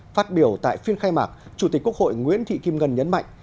phát biểu tại phiên khai mạc chủ tịch quốc hội nguyễn thị kim ngân nhấn mạnh